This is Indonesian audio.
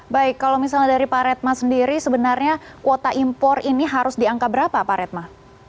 baik kalau misalnya dari pak redma sendiri sebenarnya kuota impor ini harus diangka berapa pak redma